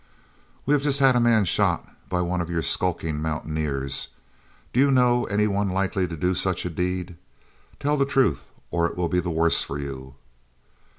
"We have just had a man shot, by one of you skulking mountaineers. Do you know of any one likely to do such a deed? Tell the truth, or it will be the worse for you."